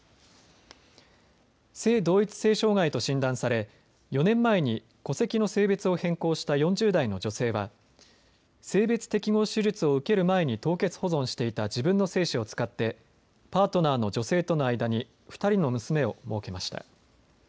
性同一性障害と診断され４年前に戸籍の性別を変更した４０代の女性は性別適合手術を受ける前に凍結保存していた自分の精子を使ってパートナーの女性との間に２人の娘をもうけました。